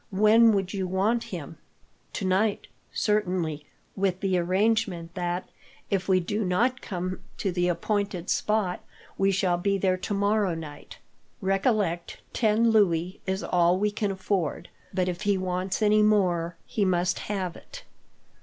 When would you want him?" "Tonight, certainly, with the arrangement that, if we do not come to the appointed spot, we shall be there tomorrow night. Recollect ten louis is all we can afford, but if he wants any more, he must have it.